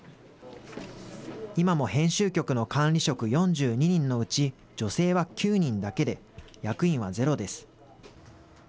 今も編集局の管理職４２人のうち、女性は９人だけで役員はゼロです。